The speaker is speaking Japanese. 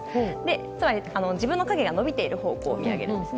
つまり、自分の影が伸びている方向を方向を見上げるんです。